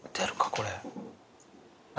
これ。